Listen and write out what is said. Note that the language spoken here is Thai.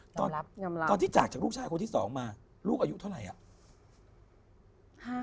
ตอนที่จากจากลูกชายคนที่สองมาลูกอายุเท่าไหร่อ่ะ